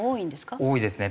多いですね。